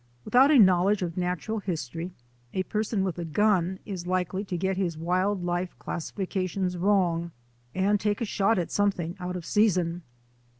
Without a knowledge of natural history a per son with a gun is likely to get his wild life classifica tions wrong and take a shot at something out of season.